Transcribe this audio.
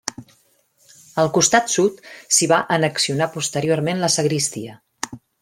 Al costat sud s'hi va annexionar posteriorment la sagristia.